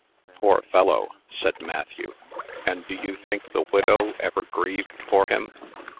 "Poor fellow!" said Matthew. "And do you think the widow ever grieved for him?"